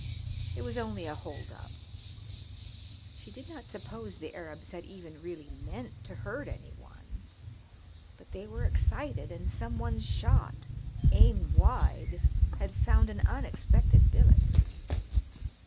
It was only a "hold up." She did not suppose the Arabs had even really meant to hurt any one, but they were excited and some one's shot, aimed wide, had found an unexpected billet.